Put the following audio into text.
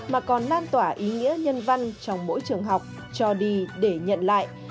mà còn lan tỏa ý nghĩa nhân văn trong mỗi trường học cho đi để nhận lại